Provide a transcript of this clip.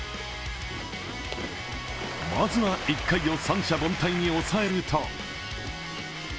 まずは１回を三者凡退に抑えると。